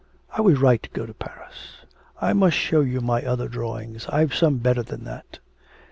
I was right to go to Paris.... I must show you my other drawings. I've some better than that.'